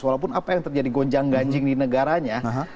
walaupun apa yang terjadi gonjang ganjing di negaranya